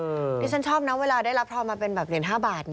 เดี๋ยวฉันชอบนะเวลาได้รับพร้อมมาเป็นแบบ๑๕บาท